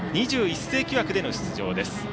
２１世紀枠での出場です。